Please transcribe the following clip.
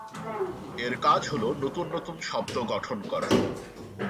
এর কাজ হলো নতুন নতুন শব্দ গঠন করা।